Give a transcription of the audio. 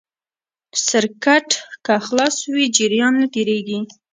سرکټ که خلاص وي جریان نه تېرېږي.